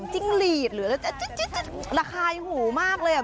จิ้งลีทหรือละคายหูมากเลยอะ